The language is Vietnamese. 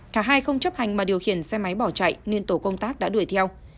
cả hai không chấp hành mà điều khiển xe máy bỏ chạy nên tổ công tác đã đuổi theo